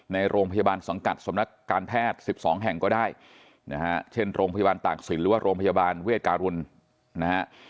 ในโรงพยาบาลสังกัดสำนักการแพทย์๑๒แห่งก็ได้นะฮะเช่นโรงพยาบาลตากศิลปหรือว่าโรงพยาบาลเวทการุณนะฮะ